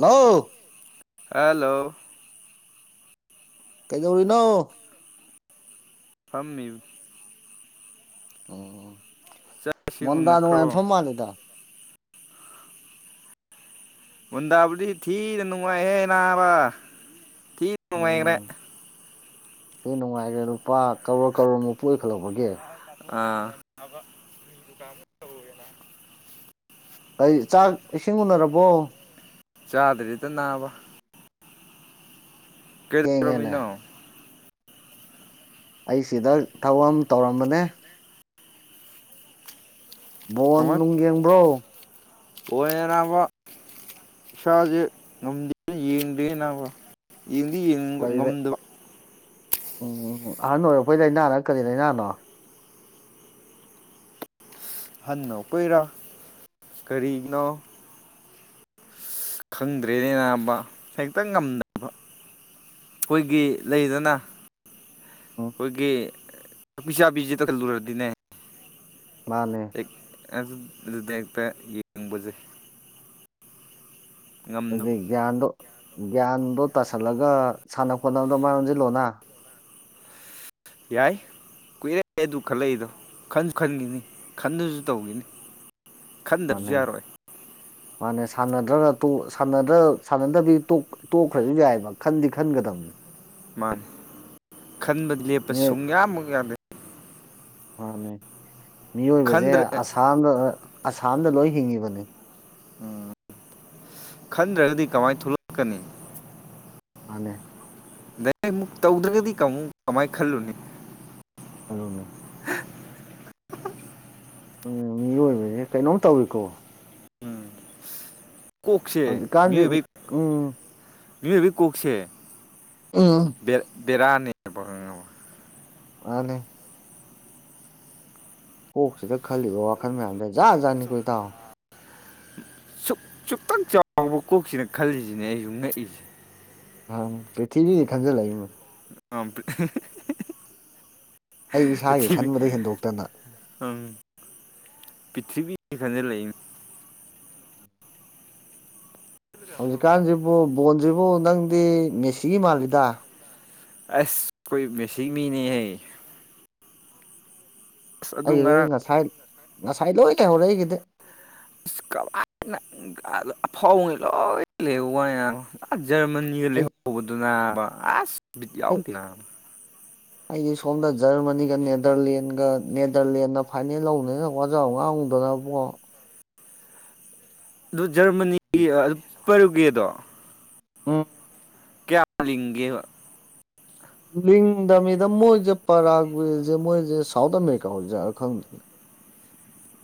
hello hello ꯀꯩꯗꯧꯔꯤꯅꯣ ꯐꯝꯃꯤꯨ ꯎꯝ ꯆꯥꯛ ꯏꯁꯤꯡ ꯃꯟꯗꯥ ꯅꯅꯨꯡꯉꯥꯏ ꯎꯅꯈ꯭ꯔꯕꯣ ꯐ ꯃꯥꯂꯗ ꯑꯣꯟꯗꯥꯕꯨꯗꯤ ꯊꯤꯗ ꯅꯨꯡꯉꯥꯏ ꯑꯦꯦꯅꯥꯕ ꯇꯤ ꯃꯥꯏꯔꯦ ꯑꯇꯩ ꯅꯨꯡꯉꯥꯏꯈ꯭ꯔꯦ ꯂꯨꯄꯥ ꯀꯣꯔ ꯀꯔꯣꯔ ꯃꯨꯛꯛꯇꯨ ꯑꯣꯏꯈꯠꯂꯛꯄꯒꯦ ꯑꯥ [inaudible] ꯑꯩ ꯆꯥꯛ ꯏꯁꯤꯡ ꯎꯅꯔꯕꯣ ꯆꯥꯗ꯭ꯔꯤꯗ ꯅꯥꯕ ꯀꯦꯗ ꯊꯦꯡꯉꯦꯅꯦ ꯔꯃꯤꯅꯥ ꯑꯩ ꯁꯤꯗ ꯊꯕ ꯑꯃ ꯇꯧꯔꯝꯕꯅꯦ ꯕꯣꯟ ꯅꯨꯡ ꯌꯦꯡꯕ꯭ꯔꯣ ꯑꯣꯏꯔꯔꯕ ꯥꯖꯦ ꯉꯝꯖ ꯌꯦꯟꯗꯦꯅꯥꯕ ꯌꯦꯡꯗꯤ ꯌꯦꯡꯕ ꯀꯔꯤꯗ ꯉꯝꯗꯕ ꯎꯝ ꯎ ꯑꯍꯟ ꯑꯣꯏꯔꯛꯄꯩ ꯂꯥꯏꯅꯥꯅ ꯀꯔꯤ ꯂꯥꯏꯅꯥꯅꯣ ꯍꯟꯅꯣ ꯀꯨꯏꯔꯥ ꯀꯔꯤꯅꯣ ꯈꯪꯗ꯭ꯔꯦꯅꯦꯅꯥꯕ ꯍꯦꯛꯇ ꯉꯝꯗꯅꯕ ꯑꯩꯈꯣꯏꯒꯤ ꯂꯩꯗꯅ ꯎꯝ ꯑꯩꯈꯣꯏꯒꯤꯄꯤ ꯆꯥꯕꯤꯁꯤꯦ ꯇ ꯈꯜꯂꯨꯔꯗꯤꯅꯦ ꯃꯥꯅꯦ ꯑꯗꯨ ꯑꯗꯨꯗ ꯍꯦꯛꯇ ꯌꯦꯡꯕꯁꯦ ꯉꯝꯗꯕ ꯑꯗꯨꯕꯤꯒꯥꯟꯗꯣ ꯒ꯭ꯌꯥꯟꯗꯣ ꯇꯥꯁꯜꯂꯒ ꯁꯥꯟꯅ ꯈꯣꯠꯅꯕꯗꯣ ꯃꯌ ꯑꯣꯁꯤꯜꯂꯣꯅ ꯌꯥꯏ ꯀꯨꯏꯔꯦ ꯑꯗꯨ ꯈꯜꯂꯛꯏꯗꯣ ꯈꯟꯁꯨ ꯈꯟꯈꯤꯅꯤ ꯈꯟꯗꯨꯁꯨ ꯇꯧꯈꯤꯅꯤ ꯈꯟꯗꯕꯁꯨ ꯃꯥꯅꯦ ꯌꯥꯔꯣꯏ ꯃꯥꯅꯦ ꯁꯥꯟꯅꯗ꯭ꯔ ꯁꯥꯟꯅꯗꯕꯤ ꯇꯣꯛꯈ꯭ꯔꯁꯨ ꯌꯥꯏꯑꯕ ꯈꯟꯗꯤ ꯈꯟꯒꯗꯕꯅꯤ ꯃꯥꯅꯤ ꯈꯟꯕꯗꯤ ꯂꯦꯞꯄ ꯃꯤꯑꯣꯏ ꯁꯨꯡꯌꯥꯃꯨꯛ ꯌꯥꯗꯦ ꯃꯥꯅꯦ ꯃꯤꯑꯣꯏꯕꯁꯦ ꯈꯟꯗ꯭ꯔ ꯑꯁꯥꯝꯗ ꯊꯥꯝꯗ ꯂꯣꯏ ꯍꯤꯡꯉꯤꯕꯅꯤ ꯈꯟꯗ꯭ꯔꯒꯗꯤ ꯀꯃꯥꯏꯅ ꯊꯣꯛꯂꯛꯀꯅꯤ ꯃꯥꯅꯦ ꯅ ꯑꯃꯨꯛ ꯇꯧꯗ꯭ꯔꯒꯗꯤ ꯀꯥꯃꯨ ꯀꯃꯥꯏꯅ ꯈꯜꯂꯨꯅꯤ ꯍꯜꯂꯨꯅꯦ [unintelligible] [inaudible] ꯎꯝ ꯃꯤꯏꯕꯁꯦ ꯀꯩꯅꯣꯝ ꯇꯧꯏꯤꯀꯣ ꯀꯣꯛꯁꯦ ꯍꯧꯖꯤꯛꯀꯥꯟꯁꯦ ꯃꯤꯑꯣ ꯎꯝ ꯃꯤꯑꯣꯏꯕꯤ ꯀꯣꯛꯁꯦ ꯑꯥ ꯕꯦꯔꯥꯅꯤꯕꯉ ꯃꯥꯅꯦ ꯀꯣꯛꯁꯤꯗ ꯈꯜꯂꯤꯕꯣ ꯋꯥꯈꯜ ꯃꯌꯥꯝꯗ ꯖꯥꯠ ꯖꯥꯠꯅꯤꯀꯣ ꯏ ꯇꯥꯎꯑꯣ ꯈꯤꯇꯪ ꯆꯥꯎꯕ ꯀꯣꯛꯁꯤꯅ ꯈꯜꯂꯤꯁꯤꯅꯦ ꯑꯩꯁꯨ ꯉꯛꯏꯁꯦ ꯍ ꯄ꯭ꯔꯤꯊꯤꯕꯤ ꯖꯦ ꯈꯟꯖꯜꯂꯛ ꯑ [unintelligible] ꯑꯩ ꯏꯁꯥꯒꯤ ꯈꯟꯕꯗꯩ ꯍꯦꯟꯗꯣꯛꯇꯅ ꯎꯝ [unintelligible] ꯄꯤꯊꯤꯕꯤꯁꯤ ꯈꯖꯤ ꯂꯩꯛ ꯍꯧꯖꯤꯛꯀꯥꯟꯁꯤꯕꯨ ꯕꯣꯟꯁꯤꯕꯨ ꯅꯪꯗꯤ ꯃꯦꯁꯤꯒꯤ ꯃꯥꯜꯂꯤꯗ ꯑꯁ ꯑꯩꯈꯣꯏ ꯃꯦꯁꯤ ꯃꯤꯅꯦꯍꯦ ꯑꯁ ꯑꯗꯨ ꯑꯩ ꯉꯔꯥꯡ ꯉꯁꯥꯏ ꯉꯁꯥꯏ ꯂꯣꯏ ꯂꯩꯍꯧꯔꯦ ꯑꯩꯒꯤꯗꯤ ꯀ ꯐꯥꯎ ꯕ ꯉꯩ ꯂꯣꯏ ꯂꯩꯍꯧꯕ ꯖꯔꯃꯅꯤꯒ ꯑꯩ ꯂꯩꯍꯧꯕꯗꯨꯅ ꯑꯁ ꯕꯤꯠ ꯑꯩ ꯌꯥꯎꯗꯦ ꯑꯩꯗꯤ ꯁꯣꯝꯗ ꯖꯔꯃꯅꯤꯒ ꯅꯦꯗꯔꯂꯦꯟꯒ ꯅꯦꯗꯔꯂꯦꯟꯗ ꯐꯥꯏꯅꯦꯜ ꯂꯧꯕꯗꯅ ꯋꯥꯖꯥꯎ ꯉꯥꯡꯗ ꯄ [unintelligible] ꯑꯗꯨ ꯖꯔꯃꯅꯤꯒꯤ ꯑꯗꯨ ꯄꯔꯨꯒꯦꯗꯣ ꯎꯝ ꯀꯌꯥ ꯂꯤꯡꯒꯦꯕ ꯂꯤꯡꯗꯃꯤꯗ ꯃꯣꯏꯁꯦ ꯄꯔꯥ ꯒꯨꯌꯦ ꯃꯣꯏꯁꯦ ꯁꯥꯎꯠ ꯑꯃꯦꯔꯤꯀꯥ ꯑꯣꯏꯕꯖꯥꯠꯂ ꯈꯪꯗꯅ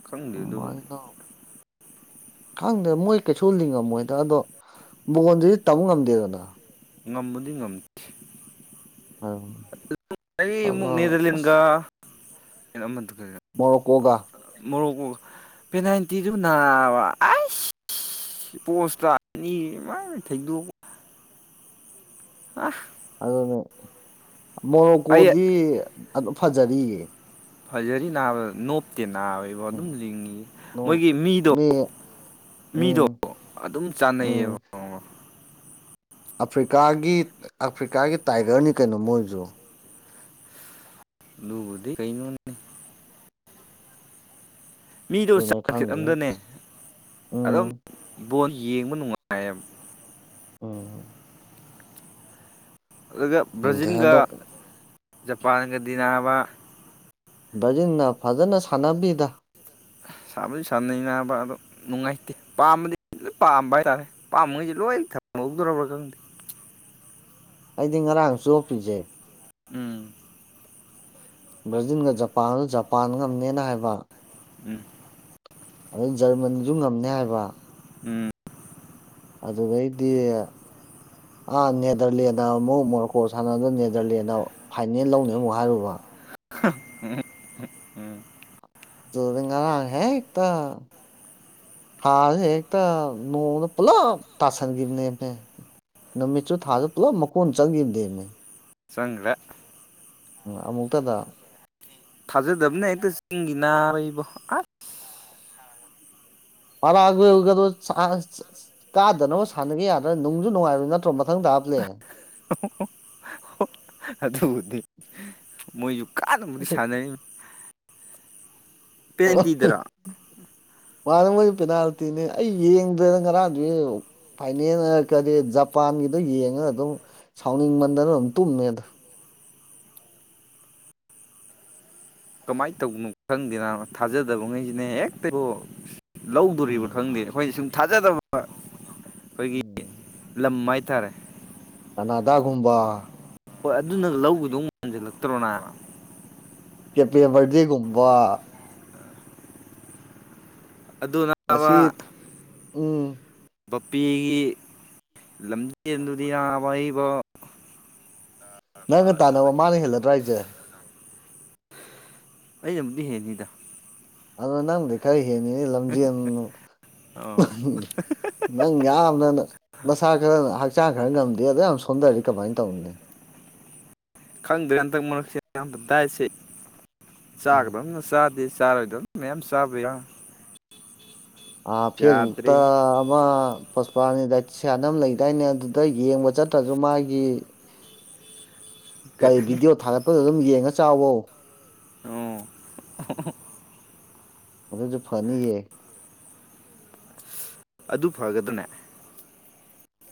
ꯈꯪꯗꯦ ꯑꯗꯨꯕꯨꯗꯤ ꯈꯪꯗꯦ ꯃꯣꯏ ꯀꯩꯁꯨ ꯂꯤꯡꯉꯝꯃꯣꯏ ꯍꯗ ꯑꯗꯣ ꯕꯒꯣꯟꯗꯨꯗꯤ ꯇꯝꯕ ꯉꯝꯗꯦꯗꯅ ꯉꯝꯕꯗꯤ ꯉꯝꯗꯦ ꯑꯩ ꯑꯃꯨꯛ ꯑꯗꯨꯅ ꯅꯦꯗꯔꯂꯦꯟꯒ ꯑꯁ ꯑꯃꯗꯨ ꯃꯣꯔꯣꯀꯣꯒ ꯄꯦꯅꯥꯜꯇꯤꯗꯨ ꯅꯥꯕ ꯄꯣꯁꯇꯥꯅꯤ ꯃꯥꯥꯏ ꯊꯩꯗꯣꯛ ꯑ ꯑꯗꯨꯅꯦ ꯑꯩ ꯃꯣꯔꯣꯀꯣꯗꯤ ꯑꯗꯨꯝ ꯐꯖꯔꯤꯌꯦ ꯐꯖꯔꯤ ꯅꯥꯕ ꯅꯣꯞꯇꯦ ꯅꯥꯕꯕꯣ ꯑꯗꯨꯝ ꯂꯤꯡꯉꯤ ꯎꯝ ꯃꯣꯏꯒꯤ ꯃꯤꯗꯣ ꯃꯤ ꯃꯤꯗꯣ ꯎꯝ ꯑꯗꯨꯝ ꯆꯥꯅꯩꯌꯦꯕ ꯎꯝ ꯑꯐ꯭ꯔꯤꯀꯥꯒꯤ ꯑꯐ꯭ꯔꯤꯀꯥꯒꯤ ꯇꯥꯏꯒꯔꯅꯤ ꯀꯩꯅꯣ ꯃꯣꯏꯁꯨ ꯂꯕꯨꯗꯤ ꯀꯩꯅꯣꯅꯤ ꯃꯤꯗꯣ ꯑꯗꯨꯅ ꯆꯥꯈꯤꯦꯠ ꯈꯪꯗꯦ ꯑꯝꯗꯅꯦ ꯑꯗꯨꯝ ꯎꯝ ꯕꯣꯜ ꯌꯦꯡꯕ ꯅꯨꯡꯉꯥꯏ ꯎꯝ ꯑꯗꯨꯒ ꯈꯪꯗꯦ ꯕ꯭ꯔꯥꯖꯤꯜꯒ ꯑꯗꯣ ꯖꯄꯥꯟꯒ ꯗꯤꯅꯥꯕ ꯕ꯭ꯔꯖꯤꯟꯅ ꯐꯖꯅ ꯁꯥꯟꯅꯕꯤꯗ ꯁꯥꯕꯗꯤ ꯁꯥꯟꯅꯩꯅꯕ ꯑꯣ ꯅꯨꯡꯉꯥꯏꯇꯦ ꯄꯥꯝꯕꯗꯤ ꯂ ꯄꯥꯝꯕ ꯍꯥꯏꯇꯥꯔꯦ ꯄꯥꯝꯕꯉꯩꯁꯦ ꯂꯣꯏ ꯊꯝꯍꯧꯗꯔꯕ꯭ꯔꯥ ꯈꯪꯗꯦ ꯑꯩꯗꯤ ꯉꯔꯥꯡ ꯆꯣꯞꯄꯤꯖꯦ ꯎꯝ ꯕ꯭ꯔꯥꯖꯤꯟꯒ ꯖꯄꯥꯟꯒ ꯖꯄꯥꯟꯒꯝꯅꯦꯅ ꯍꯥꯏꯕ ꯎꯝ ꯑꯗꯩ ꯖꯔꯃꯟꯁꯨ ꯉꯝꯅꯤ ꯍꯥꯏꯕ ꯎꯝ ꯑꯗꯨꯒꯩꯗꯤ ꯑꯥ ꯅꯦꯗꯔꯂꯦꯟꯗ ꯑꯃꯨꯛ ꯃꯣꯔꯣꯀꯣ ꯁꯥꯟꯅꯗꯅ ꯅꯦꯗꯔꯂꯦꯟꯗ ꯐꯥꯏꯅꯦꯜ ꯂꯧꯅꯤ ꯑꯃꯨꯛ ꯍꯥꯏꯔꯨꯕ ꯎꯝ ꯖꯔꯒꯥ ꯔ ꯍꯦꯇ ꯍꯥꯇ ꯅꯣꯡꯅ ꯄꯨꯂꯣ ꯇꯁ ꯒꯤꯅꯦꯅꯦ ꯅꯨꯃꯤꯠꯁꯨ ꯊꯥꯁꯨ ꯄꯨꯂꯞ ꯃꯀꯣꯟ ꯆꯪꯈꯤꯕ ꯗꯦꯅꯦ ꯆꯒ꯭ꯔꯦ ꯎ ꯑꯃꯃꯨꯛꯇꯛꯇꯗ ꯊꯖꯗꯕꯅꯦ ꯑꯩꯣ ꯆꯤꯡꯒꯅꯔꯕ ꯑ ꯄꯔꯥꯒꯤ ꯑꯣꯏꯒꯗꯣ ꯀꯥꯗꯅꯕ ꯁꯥꯟꯅꯒꯦ ꯌꯥꯗ꯭ꯔꯅ ꯅꯨꯡꯖꯁꯨ ꯅꯨꯡꯉꯥꯏꯕ ꯅꯠꯇ꯭ꯔꯣ ꯃꯊꯪꯗ ꯍꯥꯂ ꯑ ꯑꯗꯨꯕꯨꯗꯤ ꯃꯣꯏꯁꯨ ꯀꯥꯟꯅꯕꯕꯨꯗꯤ ꯁꯥꯟꯅꯔꯤ ꯄꯦꯟꯇꯗꯔ ꯃꯥꯗ ꯃꯣꯏꯗꯤ ꯄꯦꯅꯥꯜꯇꯤꯅꯦ ꯑꯩ ꯌꯦꯡꯗꯗ ꯉꯔꯥꯡꯗꯨ ꯐꯥꯏꯅꯦꯜ ꯀꯔꯤ ꯖꯄꯥꯟꯒꯤꯗꯣ ꯌꯦꯡꯉꯒ ꯑꯗꯨꯝ ꯁꯥꯎꯅꯤꯡ ꯃꯟꯗꯅ ꯑꯗꯨꯝ ꯇꯨꯝꯃꯦ ꯑꯗ ꯀꯃꯥꯏꯅ ꯇꯧꯕꯅꯣ ꯈꯪꯗꯦꯅ ꯊꯥꯖꯗꯕꯉꯩꯁꯤꯅꯦ ꯍꯦꯛꯇ ꯂꯧꯗꯣꯔꯤꯕ ꯈꯪꯗꯦ ꯎꯝ ꯑꯩꯈꯣꯏ ꯁꯨꯝ ꯊꯥꯖꯗꯕ ꯑꯩꯈꯣꯏꯒꯤ ꯂꯝ ꯍꯥꯏꯇꯥꯔꯦ ꯑꯅꯒꯨꯝꯕ ꯍꯣꯏ ꯑꯗꯨꯅ ꯂꯧꯒꯗꯧ ꯃꯥꯟꯁꯤꯜꯂꯛꯇ꯭ꯔꯣ ꯅ ꯀꯦꯄ ꯔꯗꯦ ꯀꯨꯝꯕ ꯉꯁꯤ ꯑꯗꯨꯕ ꯎꯝ ꯕꯄꯤꯒꯤ ꯂꯝꯖꯦꯟꯗꯨꯗ ꯌꯥꯕ ꯍꯩꯕ ꯅꯪꯒ ꯇꯥꯟꯅꯕ ꯃꯥꯅ ꯍꯦꯜꯂꯗ꯭ꯔꯥ ꯍꯥꯏꯁꯦ ꯑꯩ ꯑꯃꯨꯗꯤ ꯍꯦꯅꯤꯗ ꯑꯗꯣ ꯅꯪꯗꯤ ꯀꯔꯤ ꯍꯦꯅꯤꯅꯦ ꯂꯝꯖꯦꯟ ꯑ ꯅꯪ ꯌꯥꯝꯅ ꯅꯁꯥ ꯈꯔꯅ ꯍꯛꯆꯥꯡ ꯈꯔ ꯉꯝꯗꯦ ꯑꯗꯨꯗ ꯌꯥꯝ ꯁꯗꯔꯤꯀꯚꯥꯏꯇ ꯎꯂꯤ ꯈꯪꯗ꯭ꯔꯦ ꯍꯟꯗꯛ ꯃꯔꯛꯁꯦ ꯌꯥꯝꯕ ꯗꯥꯏꯠꯁꯦ ꯎꯝ ꯆꯥꯒꯗꯕꯅ ꯆꯥꯗꯦ ꯆꯥꯔ ꯑꯣꯏꯗ ꯃꯦꯝ ꯆꯕ ꯐꯦꯁꯕꯨꯛꯇ ꯑꯃ ꯄꯣꯁꯄꯥꯅꯤ ꯗꯥꯏ ꯁꯅꯝ ꯂꯩꯗꯥꯏꯅꯦ ꯑꯗꯨꯗ ꯌꯦꯡꯕ ꯆꯠꯇ꯭ꯔꯁꯨ ꯃꯥꯒꯤ ꯀꯩ ꯀꯔꯤ ꯚꯤꯗꯤꯑꯣ ꯊꯥꯒꯠꯄꯗ ꯑꯗꯨꯝ ꯌꯦꯡꯉ ꯆ ꯆꯥꯎꯋꯣ ꯑꯣ ꯃꯗꯨꯁꯨ ꯐꯅꯤ ꯍꯥꯏ ꯑꯗꯨ ꯐꯒꯗꯅꯦ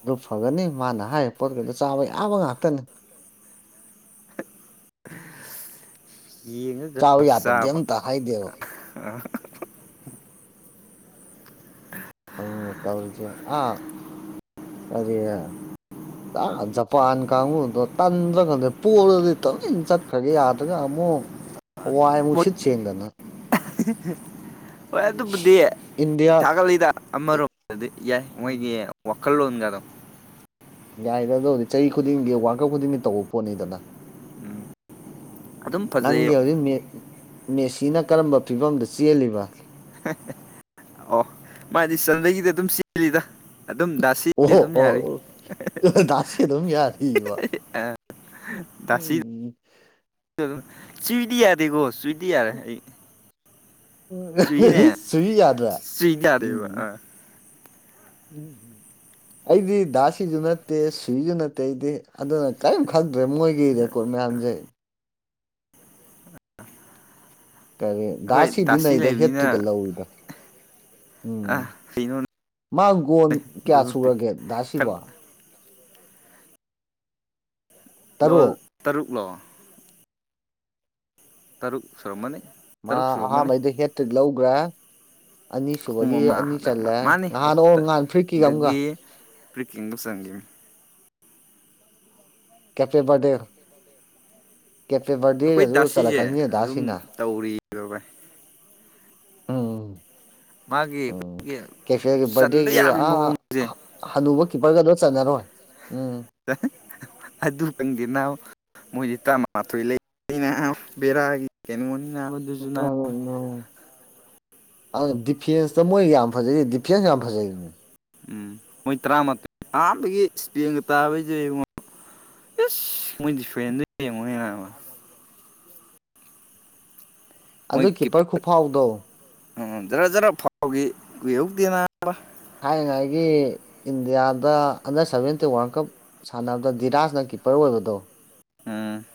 ꯑꯗꯨ ꯐꯒꯅꯤ ꯃꯥꯅ ꯍꯥꯏꯔꯤꯕ ꯄꯣꯠꯈꯩꯗ ꯆꯥꯕ ꯌꯥꯕ ꯉꯥꯛꯇꯅꯤ ꯎ ꯆꯥꯎ ꯌꯥꯗꯕꯗꯤ ꯑꯝꯇ ꯍꯥꯏꯗꯦꯕ ꯌꯦ ꯇꯥꯎꯔꯤꯁꯦ ꯑꯥ ꯀꯔꯤ ꯑ ꯖꯄꯥꯟ ꯀꯥꯡꯕꯨꯨꯗꯣ ꯇꯟꯗ꯭ꯔ ꯈꯪꯗ꯭ꯔꯦ ꯄꯣꯂꯗꯤ ꯇꯧ ꯆꯠꯈ꯭ꯔꯒ ꯌꯥꯗ꯭ꯔꯒ ꯑꯃ ꯑꯃ ꯋꯥꯏꯃꯨꯛ ꯁꯤꯠ ꯁꯦꯡꯗꯅ [unintelligible] ꯍꯣꯏ ꯑꯗꯨꯕꯨꯗꯤ ꯏꯟꯗꯤꯌꯥ ꯊꯥꯒꯠꯂꯤꯗ ꯑꯃꯔꯣꯝꯗꯗꯤ ꯌꯥꯏ ꯃꯣꯏꯒꯤ ꯀꯜꯂꯂꯣꯟꯟ ꯀꯗ ꯌꯥꯏꯔꯦ ꯑꯗꯨꯕꯨꯗꯤ ꯆꯍꯤ ꯈꯨꯗꯤꯡꯒꯤ ꯋꯥꯔꯀꯞ ꯈꯨꯗꯤꯡꯒꯤ ꯇꯧꯕ ꯄꯣꯠꯅꯤꯗꯅ ꯎꯝ ꯑꯗꯨꯝ ꯐꯖꯩ ꯅꯪꯒꯤ ꯍꯧꯖꯤꯛ ꯃꯦꯁꯤꯅ ꯀꯔꯝꯕ ꯐꯤꯕꯝꯗ ꯆꯦꯜꯂꯤꯕ ꯑꯣ ꯃꯥꯗꯤ ꯆꯟꯒꯤꯗꯤ ꯑꯗꯨꯝ ꯆꯦꯜꯂꯤꯗ ꯑꯗꯨꯝ ꯑꯣ ꯗꯥꯁꯤꯗꯤ ꯑꯗꯨꯝ ꯌꯥꯔꯤ ꯑꯣꯣ ꯑꯣ ꯂꯁꯤ ꯑꯗꯨꯝ ꯌꯥꯗꯕ ꯎꯝ ꯆ꯭ꯏꯗꯤ ꯌꯥꯗꯦꯀꯣ ꯆ꯭ꯏꯗꯤ ꯌꯥꯔꯦ ꯑꯩ ꯎ ꯆꯨꯏꯅꯦ ꯁꯨꯏ ꯌꯥꯗ꯭ꯔ ꯆꯨꯏꯗꯤ ꯌꯥꯗꯦꯕ ꯎꯝ ꯑꯥ ꯎꯝ ꯎꯝ ꯑꯩꯗꯤ ꯗꯥꯁꯤꯁꯨ ꯅꯠꯇꯦ ꯁꯨꯏꯁꯨ ꯅꯠꯇꯦ ꯑꯩꯗꯤ ꯑꯗꯨꯅ ꯀꯔꯤꯝ ꯈꯪꯗ ꯃꯣꯏꯒꯤ ꯔꯦꯀꯣꯔꯠ ꯑꯩꯈꯣꯏ ꯃꯌꯥꯝꯁꯩ ꯀꯔꯤ ꯗꯥꯁꯤꯗꯤ ꯅꯩꯗ ꯍꯦꯠꯇ꯭ꯔꯤꯒ ꯂꯧꯏꯗꯣ ꯑꯩꯅꯣ ꯃꯥꯒꯣꯟ ꯀꯌꯥ ꯁꯨꯔꯒꯦ ꯈꯔ ꯥꯁꯤꯕꯣ ꯂꯣ ꯇꯔꯨꯛ ꯇꯔꯨꯛꯂꯣ ꯇꯔꯨꯛ ꯁꯔꯝ ꯃꯅꯤ ꯃꯥ ꯑꯍꯥꯥꯟꯕꯩꯗ ꯍꯦꯠꯇ꯭ꯔꯤꯛ ꯂꯧꯈ꯭ꯔꯥ ꯑꯅꯤ ꯑꯍꯨꯝ ꯁꯨꯕꯒꯤ ꯑꯅꯤ ꯑꯃ ꯆꯜꯂꯦ ꯃꯥꯅꯤ ꯉꯍꯥꯟ ꯑꯣ ꯉꯍꯥꯟ ꯐ꯭ꯔꯤꯀꯤꯒ ꯑꯃꯒ ꯄ꯭ꯔꯤꯀꯤꯀꯤꯡꯗ ꯁꯪꯒꯤ ꯀꯦꯄꯦ ꯕꯔꯗꯦ ꯀꯦꯐꯦ ꯕꯔꯗꯦ ꯑꯩꯈꯣꯏ ꯑꯗꯨ ꯆꯠꯂꯛꯀꯅꯤ ꯑꯗꯥ ꯁꯤꯅ ꯗꯨꯕꯥꯏ ꯎꯝ ꯃꯥꯒꯤ ꯎꯝ ꯑꯩꯈꯣꯏꯒꯤ ꯀꯦꯐꯦ ꯆꯟꯕ ꯄꯔꯦꯒꯤ ꯌꯥꯕꯒꯤ ꯃꯑꯣꯡꯁꯦ ꯍꯜꯂꯨꯕ ꯄꯔꯒꯣ ꯆꯖꯔꯣꯣꯏ ꯑꯗꯨ ꯈꯪꯗ ꯅꯅꯥꯎ ꯃꯣꯏꯗꯤ ꯇ ꯃꯥꯊꯣꯏ ꯂꯩ ꯑꯩꯅ ꯕꯦꯔꯥꯒꯤ ꯀꯩꯅꯣꯅꯤ ꯔ ꯖꯨ ꯑ ꯗꯤꯐꯦꯟꯁꯇ ꯃꯣꯏ ꯌꯥꯝ ꯐꯖꯩ ꯗꯤꯐꯦꯟꯁ ꯌꯥꯝ ꯐꯖꯩꯅꯦ ꯎꯝ ꯃꯣꯏ ꯇꯔꯥꯃꯥꯊꯣꯏ ꯑꯍꯥꯟꯕꯗꯒꯤ ꯏꯁꯇꯦꯡꯒ ꯇꯥꯕꯩꯁꯦ ꯏꯕꯉꯣ ꯏꯁꯁ ꯃꯣꯏꯗꯤ ꯐ꯭ꯔꯦꯟꯗꯨ ꯌꯦꯡꯉꯣꯅꯦꯕ ꯑꯗꯨ ꯀꯤꯄꯔ ꯈꯨꯐꯥꯎꯗꯣ ꯎꯝ ꯖꯔ ꯖꯔ ꯐꯥꯎꯈꯤ ꯀꯨꯏꯍꯧꯗꯦꯕ ꯊꯥꯏꯅꯉꯥꯏꯒꯤ ꯏꯟꯗꯤꯌꯥꯗ ꯑꯟꯗꯔ ꯁꯚꯦꯟꯇꯤ ꯋꯥꯔꯜ ꯀꯞ ꯁꯥꯟꯅꯕꯗ ꯗꯤꯔꯥꯖꯅ ꯀꯤꯞꯄꯔ ꯑꯣꯏꯕꯗꯣ ꯎꯝ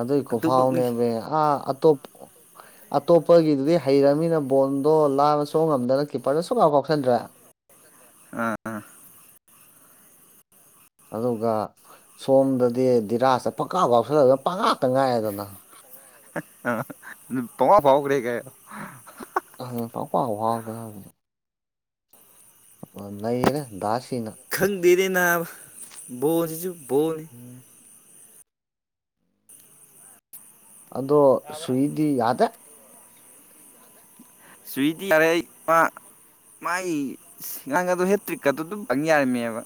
ꯑꯗꯨꯏꯀꯣ ꯑꯗꯨꯃꯛꯅꯤ ꯐꯥꯎꯅꯦꯕ ꯑꯥ ꯑꯇꯣꯞꯄ ꯑꯇꯣꯞꯄꯒꯤꯗꯨꯗꯤ ꯍꯩꯔꯃꯤꯅ ꯕꯣꯜꯗꯣ ꯂꯥꯟꯅ ꯁꯣꯡ ꯉꯝꯗꯅ ꯀꯤꯞꯄꯔꯗꯣ ꯁꯨꯡꯀꯥꯎ ꯀꯥꯎꯁꯟꯗ꯭ꯔꯦ ꯑꯥ ꯑꯗꯨꯒ ꯁꯣꯝꯗꯗꯤ ꯗꯤꯔꯥꯖꯇ ꯄꯀꯥ ꯐꯥꯎꯁꯜꯂꯗꯅ ꯄꯪ ꯉꯥꯛꯇ ꯉꯥꯏꯑꯗꯅ ꯄꯃ ꯐꯥꯎ ꯀꯦ ꯀ ꯑ ꯄꯄꯥꯎ ꯋꯥꯗꯅꯤ ꯅꯩꯔꯦ ꯗꯁꯤꯅ ꯇꯔ ꯅꯅꯥ ꯣꯁꯤꯁꯨꯨ ꯣꯅꯤ ꯑꯗꯣ ꯁꯨꯍꯤꯗꯤ ꯌꯥꯗꯦ ꯁ꯭ꯋꯗꯤ ꯇꯔꯩ ꯄ ꯃꯥꯏ ꯉꯥꯡꯗ ꯍꯦꯇ꯭ꯔꯤꯛꯀ ꯑꯗꯨ ꯑꯗꯨꯝ ꯌꯥꯔꯝꯃꯦꯕ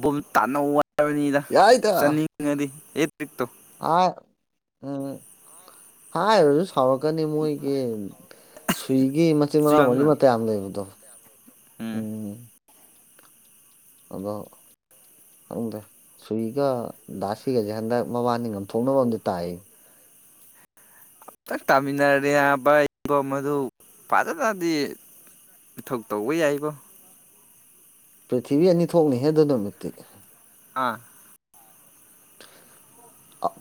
ꯕ ꯇꯥꯟꯅꯧ ꯋꯥꯔꯕꯅꯤꯗ ꯆꯠꯅꯤꯡꯉꯗꯤ ꯑꯦ ꯇ꯭ꯔꯤꯛꯇꯣ ꯑ ꯎꯝ ꯍꯥꯥ ꯐꯥꯎꯔꯛꯀꯅꯤ ꯃꯣꯏꯒꯤ ꯁꯨꯏꯒꯤ ꯃꯆꯤꯟ ꯃꯅꯥꯎ ꯃꯔꯤ ꯆꯨꯏꯌꯥꯡꯅ ꯃꯇꯌꯥꯝ ꯌꯥꯝ ꯂꯩꯕꯗꯣ ꯎꯝ ꯑꯗꯣ ꯁꯨꯔꯤꯒ ꯗꯥꯁꯤꯒꯁꯦ ꯍꯟꯗꯛ ꯃꯕꯥꯅꯤ ꯉꯝꯊꯣꯛꯅꯕ ꯑꯝꯗ ꯇꯥꯛ ꯑꯝꯇ ꯇꯥꯃꯤꯟꯅꯔꯦ ꯍꯥꯏꯕꯕ ꯃꯗꯨ ꯐꯖꯅꯗꯤ ꯏꯊꯧ ꯇꯧꯕ ꯌꯥꯏꯕꯣ ꯄ꯭ꯔꯤꯊꯤꯕꯤ ꯑꯅꯤ ꯊꯣꯛꯅꯤꯍꯦꯗꯅꯃꯤꯠꯇꯤ ꯑꯥ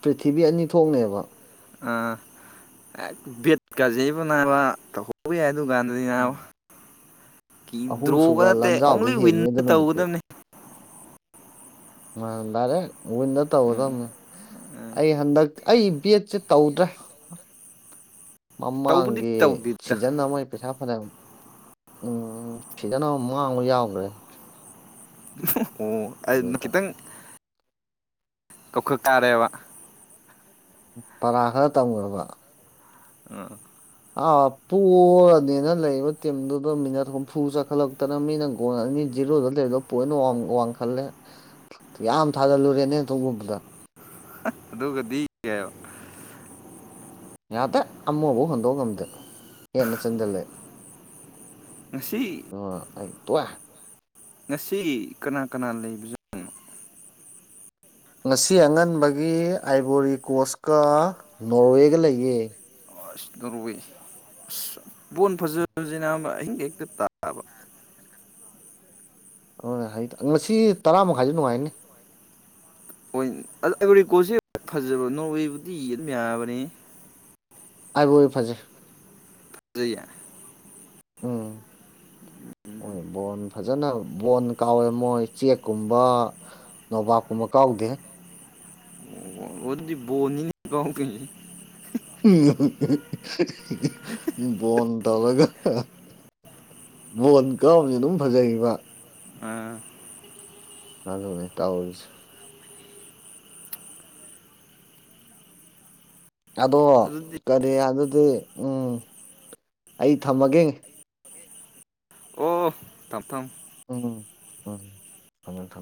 ꯄ꯭ꯔꯤꯊꯤꯕꯤ ꯑꯅꯤ ꯊꯣꯛꯅꯦꯕ ꯑ ꯕꯠ ꯀꯖꯩꯕꯅꯥꯕ ꯇꯧ ꯍꯧꯕ ꯌꯥꯏ ꯑꯗꯨꯒꯀꯥꯟꯗꯗꯤ ꯅꯥꯎ ꯗ꯭ꯔꯣꯒ ꯑꯍꯨꯝꯁꯨꯕ ꯅꯠꯇꯦ ꯂꯥꯟꯖꯥꯎꯗ ꯑꯣꯡꯂꯤ ꯍꯦꯟꯅꯤ ꯋꯤꯟꯅ ꯑꯗꯨ ꯅꯨꯃꯤꯠꯇꯤ ꯇꯧꯒꯗꯕꯅꯤ ꯑ ꯗꯔꯦ ꯎ ꯅ ꯇ ꯍꯗ ꯎꯝ ꯎꯝ ꯑꯩ ꯍꯟꯗꯛ ꯑꯩ ꯕꯤ ꯑꯦꯠꯁꯦ ꯇꯧꯗ꯭ꯔꯦ ꯇꯧꯕꯨꯗꯤ ꯃꯃꯥꯡꯒꯤ ꯇꯧꯗꯦꯗ ꯁꯤꯖꯟ ꯑꯃꯣꯏ ꯄꯩꯁꯥ ꯐꯅꯅ ꯎꯝ ꯁꯤꯗꯅ ꯃꯥꯡꯕ ꯌꯥꯎꯈ꯭ꯔꯦ ꯑꯣ ꯑꯗꯨ ꯑꯗꯨꯗ ꯈꯤꯇꯪ ꯇꯈꯨ ꯀꯥꯗꯦꯕ ꯄꯔꯥ ꯈꯔ ꯇꯝꯈꯕ ꯎꯝ ꯑ ꯄꯨꯔꯅꯤꯅ ꯂꯩꯕ ꯇꯤꯝꯗꯨꯗ ꯃꯤꯅꯠ ꯍꯨꯝꯐꯨ ꯆꯥꯈꯠꯂꯛꯇꯅ ꯃꯤꯅꯒꯣꯜꯂꯅꯤ ꯖꯤꯔꯣꯗ ꯂꯩꯔꯗꯣ ꯄꯣꯏꯅ ꯋꯥꯡꯈꯠꯂꯦ ꯌꯥꯝ ꯊꯥꯖꯜꯂꯨꯔꯦꯅꯦ ꯇꯒꯨꯝꯕꯗ ꯑꯗꯨ ꯑꯗꯨ ꯀꯗꯤ ꯀ ꯌꯥꯗ ꯑꯃꯕꯕꯨ ꯍꯟꯗꯣ ꯉꯝꯗꯦ ꯌꯦꯟꯅ ꯆꯗꯂꯦ ꯉꯁꯤ ꯑꯣ ꯑꯩ ꯇ ꯋꯥ ꯉꯁꯤ ꯀꯅꯥ ꯀꯅꯥ ꯂꯩꯕꯖꯦꯣ ꯉꯁꯤ ꯑꯉꯟꯕꯒꯤ ꯑꯥꯏꯕꯣꯔꯤ ꯀꯣꯁꯀ ꯅꯣꯔꯋꯦꯒ ꯂꯩꯌꯦ ꯗꯔꯏ ꯕꯣꯣꯟ ꯐꯖꯁꯤꯅ ꯑꯍꯤꯡ ꯍꯦꯛꯇ ꯇꯥꯕ ꯍꯣꯏ ꯉꯁꯤ ꯇꯔꯥꯃꯥꯏꯁꯨ ꯅꯨꯡꯉꯥꯏꯅꯤ ꯑꯩꯔꯤꯀꯣꯁꯦ ꯐꯖꯕ ꯅꯣꯔꯋꯦꯕꯨꯗꯤ ꯑꯗꯨꯝ ꯌꯥꯕꯅꯤ ꯑꯩꯕꯨꯣ ꯐꯖꯩ ꯐꯖ ꯍꯣꯏ ꯕꯣꯟ ꯐꯖꯅ ꯕꯣꯟ ꯀꯥꯎꯋꯦ ꯃꯣꯏ ꯆꯦꯛꯀꯨꯝꯕ ꯅꯣꯕꯥꯞꯀꯨꯝꯕ ꯀꯥꯎꯋ ꯎꯕꯦ ꯑꯣꯗꯤ ꯣꯅꯤ ꯀ ꯀꯩꯅꯅꯤ ꯎ ꯣꯟ ꯇꯧꯔꯒ ꯕꯣꯟ ꯀꯥꯎꯁ ꯑꯗꯨꯝ ꯐꯖꯈꯤꯕ ꯑꯥ ꯑꯂꯃꯦ ꯇꯥꯎꯁ ꯑꯗꯣ ꯑꯗꯨꯗꯤ ꯀꯔꯤ ꯑꯗꯨꯗꯤ ꯎꯝ ꯑꯩ ꯊꯝꯃꯒꯦ ꯇꯞ ꯇꯝ ꯎꯝ ꯎꯝ ꯊꯃꯦ ꯊ